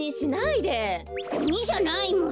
ゴミじゃないもん。